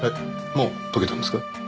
もう解けたんですか？